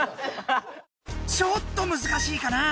ちょっとむずかしいかな？